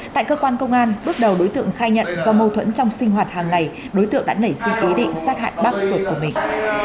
tại cơ quan công an bước đầu đối tượng khai nhận do mâu thuẫn trong sinh hoạt hàng ngày đối tượng đã nảy sinh ý định sát hại bác ruột của mình